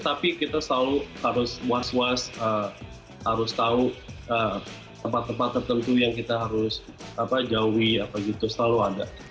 tapi kita selalu harus was was harus tahu tempat tempat tertentu yang kita harus jauhi selalu ada